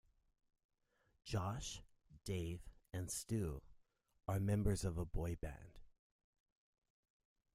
Josh, Dave and Stu are members of a boy band.